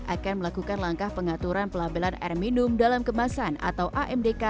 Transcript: akan melakukan langkah pengaturan pelabelan air minum dalam kemasan atau amdk